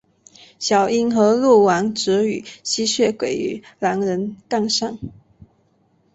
小樱和鹿丸则与吸血鬼和狼人杠上。